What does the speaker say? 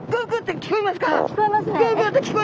聞こえますね。